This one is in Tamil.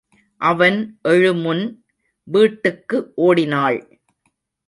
அவன் எழுமுன் வீட்டுக்கு ஓடினாள்.